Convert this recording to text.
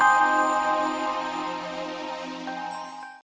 kamu sudah jauh berubah sekarang mas